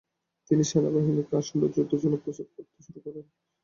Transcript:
তিনি সেনাবাহিনীকে আসন্ন যুদ্ধের জন্য প্রস্তুত করতে শুরু করেন।